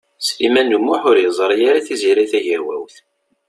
Sliman U Muḥ ur yeẓri ara Tiziri Tagawawt.